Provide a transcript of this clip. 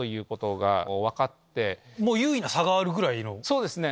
そうですね。